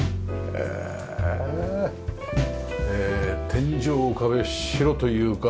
天井壁白というか。